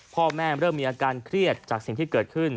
พ่อแม่เริ่มมีอาการเครียดจากสิ่งที่เกิดขึ้น